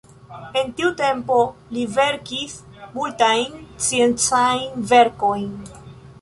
En tiu tempo li verkis multajn sciencajn verkojn.